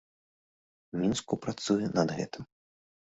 Мінску працуе над гэтым.